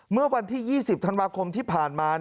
เมื่อวันที่๒๐ธันวาคมที่ผ่านมา